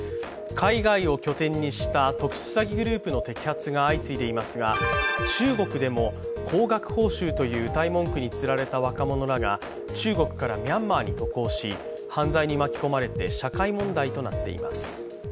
海外を拠点にした特殊詐欺グループの摘発が相次いでいますが、中国でも高額報酬といううたい文句につられた若者らが中国からミャンマーに渡航し、犯罪に巻き込まれて社会問題となっています。